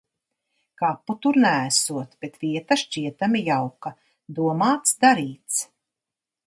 Kapu tur neesot, bet vieta šķietami jauka. Domāts – darīts.